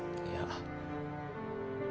いや。